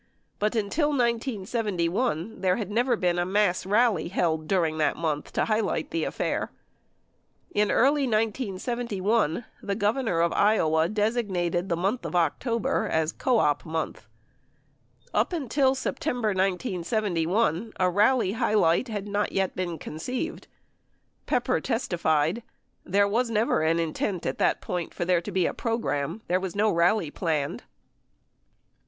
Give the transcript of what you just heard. But until 1971, there had never been a mass rally held during that month to highlight the affair. In early 1971, the Governor of Iowa designated the month of October as Co Op Month. Up until September, 1971, a rally highlight had not yet been conceived. Pepper testified, "There was never an intent at that point for there to be a program. ... There was no rally planned.